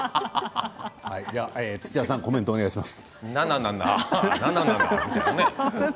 土屋さんコメントをお願いします。